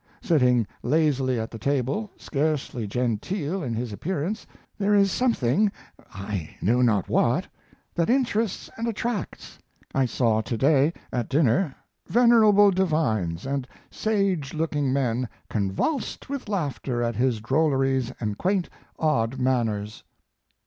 Sitting lazily at the table, scarcely genteel in his appearance, there is something, I know not what, that interests and attracts. I saw to day at dinner venerable divines and sage looking men convulsed with laughter at his drolleries and quaint, odd manners.